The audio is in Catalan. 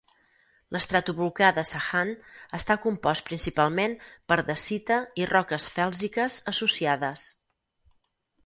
L'estratovolcà de Sahand està compost principalment per dacita i roques fèlsiques associades.